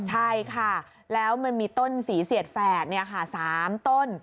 ใช่ค่ะแล้วมันมีต้นสีเสียดแฝด๓ต้น